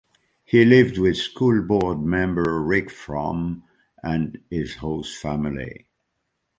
He lived with school board member Rick Fromm as his host family.